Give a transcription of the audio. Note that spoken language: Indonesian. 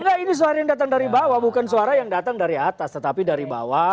enggak ini suara yang datang dari bawah bukan suara yang datang dari atas tetapi dari bawah